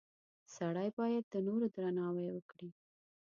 • سړی باید د نورو درناوی وکړي.